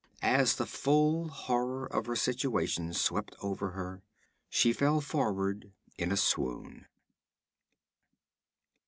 As the full horror of her situation swept over her, she fell forward in a swoon.